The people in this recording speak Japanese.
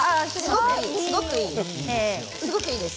すごくいいです。